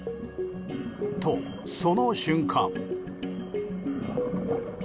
と、その瞬間。